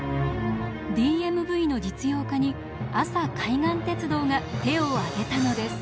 ＤＭＶの実用化に阿佐海岸鉄道が手を挙げたのです。